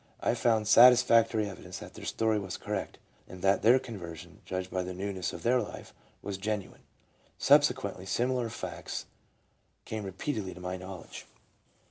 I found satisfactory evidence that their story was correct, and that their conversion, judged by the newness of their life, was genuine. Subsequently similar facts came repeatedly to my knowledge.